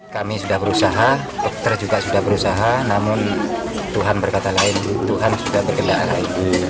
kami sudah berusaha dokter juga sudah berusaha namun tuhan berkata lain tuhan sudah berkendara itu